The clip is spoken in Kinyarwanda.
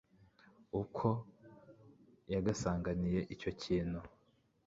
Ukwo yagasanganiye icyo kintu